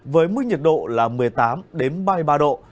với mức nhiệt độ là một mươi tám ba mươi ba độ